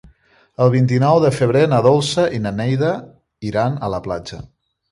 El vint-i-nou de febrer na Dolça i na Neida iran a la platja.